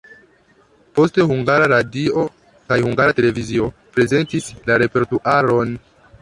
Poste Hungara Radio kaj Hungara Televizio prezentis la repertuaron.